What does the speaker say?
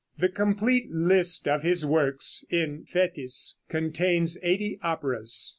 The complete list of his works in Fétis contains eighty operas.